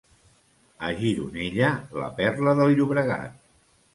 A Gironella, la perla del Llobregat.